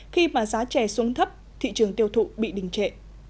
khi mà giá chè xuống thấp thị trường tiêu thụ bị đình trệ